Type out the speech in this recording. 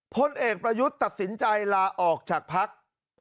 พลเอกประยุทธ์ตัดสินใจลาออกจากพัก